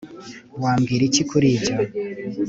Wambwira iki kuri ibyo